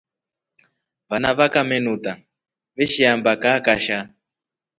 Vana vakame nuuta veshiamba kaakasha.